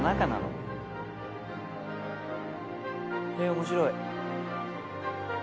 面白い。